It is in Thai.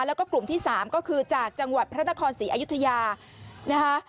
แล้วก็กลุ่มที่๓ก็คือจากจังหวัดพระนครศรีอยุธยานะคะ